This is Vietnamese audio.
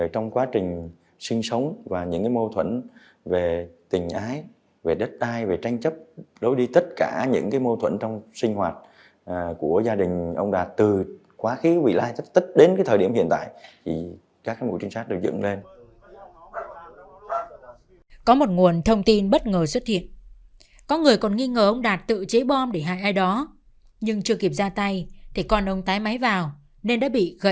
trong quá trình xác minh các mối quan hệ với gia đình ông lê trọng đạt trước khi xảy ra vụ nổ